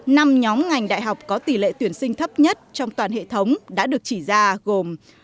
năm nhóm ngành đại học có tỷ lệ tuyển sinh thấp nhất trong toàn hệ thống đã được chỉ ra gồm